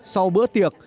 sau bữa tiệc